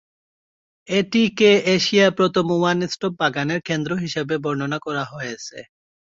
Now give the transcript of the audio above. এটিকে এশিয়ার প্রথম ওয়ান-স্টপ বাগানের কেন্দ্র হিসাবে বর্ণনা করা হয়েছে।